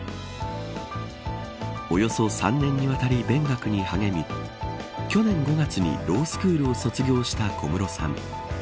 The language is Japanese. およそ３年にわたり勉学に励み去年５月にロースクールを卒業した小室さん。